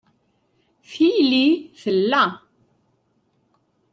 Tili tella.